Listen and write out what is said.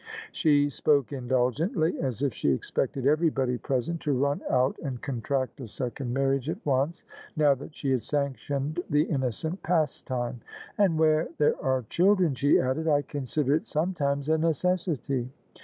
She ^oke indulgently, as if she expected everybody pres ent to run out and contract a second marriage at once, now that she had sanctioned the innocent pastime. " And where there are children," she added, " I consider it sometimes a necessity."